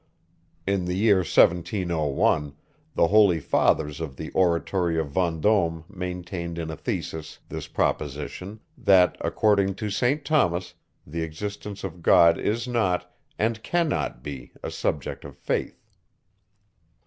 (In the year 1701, the holy fathers of the oratory of Vendome maintained in a thesis, this proposition that, according to St. Thomas, the existence of God is not, and cannot be, a subject of faith.)